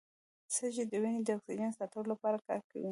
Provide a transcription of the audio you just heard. سږي د وینې د اکسیجن ساتلو لپاره کار کوي.